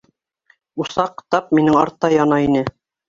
Усаҡ тап минең артта яна ине.